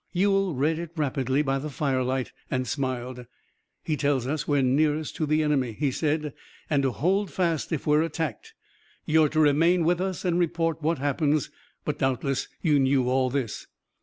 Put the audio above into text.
Ewell read it rapidly by the firelight and smiled. "He tells us we're nearest to the enemy," he said, "and to hold fast, if we're attacked. You're to remain with us and report what happens, but doubtless you knew all this."